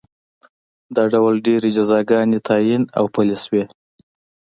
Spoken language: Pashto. دا ډول ډېرې جزاګانې تعین او پلې شوې.